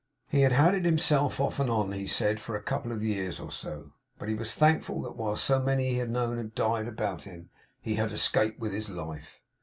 He had had it himself off and on, he said, for a couple of years or so; but he was thankful that, while so many he had known had died about him, he had escaped with life.